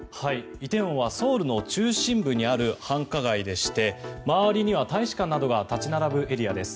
梨泰院はソウルの中心部にある繁華街でして周りには大使館などが立ち並ぶエリアです。